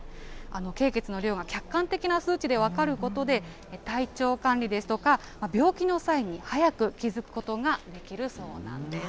経血の量が客観的な数値で分かることで、体調管理ですとか病気の際に早く気付きことができるそうなんです。